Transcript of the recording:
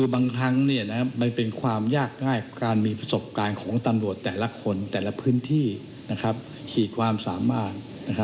บางครั้งมันเป็นความยากง่ายของการมีประสบการณ์ของตำรวจแต่ละคนแต่ละพื้นที่ขีดความสามารถ